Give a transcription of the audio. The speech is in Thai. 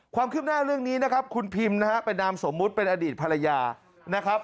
ความคืบหน้าเรื่องนี้นะครับคุณพิมนะฮะเป็นนามสมมุติเป็นอดีตภรรยานะครับ